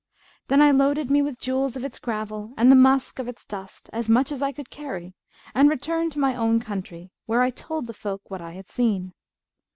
Then I loaded me with the jewels of its gravel and the musk of its dust as much as I could carry and returned to my own country, where I told the folk what I had seen.